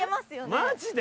マジで！？